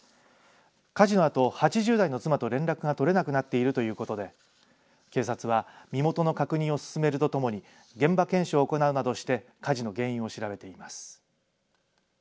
火事のあと８０代の妻と連絡が取れなくなっているということで警察は身元の確認を進めるとともに現場検証を行うなどして火事の原因を調べています。